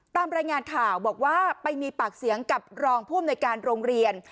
ตามรายงานข่าวบอกว่าไปมีปากเสียงกับรองผู้อำนวยการโรงเรียน